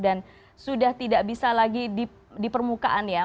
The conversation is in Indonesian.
dan sudah tidak bisa lagi di permukaan ya